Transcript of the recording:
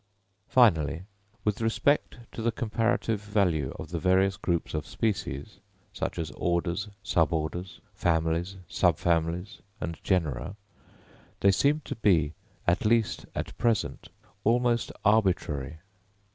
Finally, with respect to the comparative value of the various groups of species, such as orders, suborders, families, subfamilies, and genera, they seem to be, at least at present, almost arbitrary.